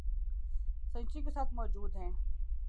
century کے ساتھ موجود ہیں